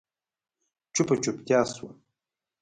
چوپه چوپتيا شوه.